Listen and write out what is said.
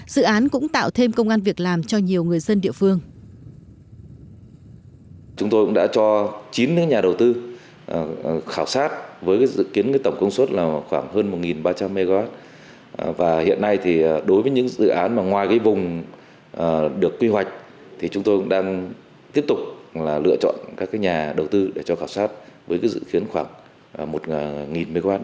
dự án cũng tạo thêm công an việc làm cho nhiều người dân địa phương